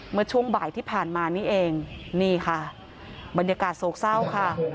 เมื่อช่วงบ่ายที่ผ่านมานี่เองนี่ค่ะบรรยากาศโศกเศร้าค่ะ